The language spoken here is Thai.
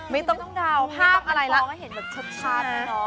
ไม่ต้องเดาภาพมันเพราะมาเห็นแบบชัดเลยเนอะ